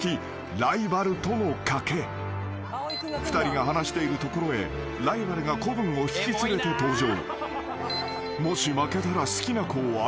［２人が話しているところへライバルが子分を引き連れて登場］